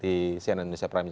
di cnn indonesia prime